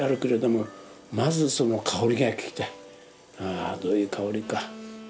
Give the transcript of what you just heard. あどういう香りか。